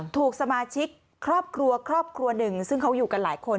ถูกสมาชิกครอบครัวครอบครัวหนึ่งซึ่งเขาอยู่กันหลายคน